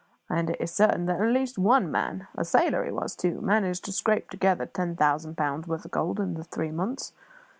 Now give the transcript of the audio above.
"And it is certain that at least one man a sailor he was, too managed to scrape together ten thousand pounds' worth of gold in the three months.